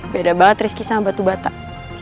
beda banget rizki sama batu batak